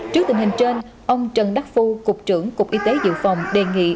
trước tình hình trên ông trần đắc phu cục trưởng cục y tế dự phòng đề nghị